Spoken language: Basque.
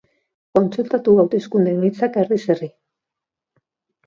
Kontsultatu hauteskunde emaitzak, herriz herri.